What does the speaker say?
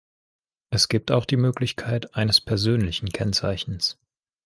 Es gibt auch die Möglichkeit eines persönlichen Kennzeichens.